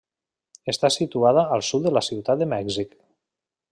Està situada al sud de la Ciutat de Mèxic.